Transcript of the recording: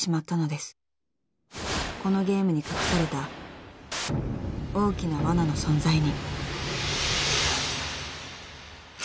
［このゲームに隠された大きなわなの存在に］